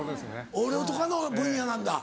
横領とかの分野なんだ。